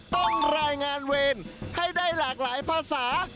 ต้องรายงานเวรให้ได้หลากหลายภาษา